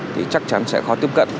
thì chắc chắn sẽ khó tiếp cận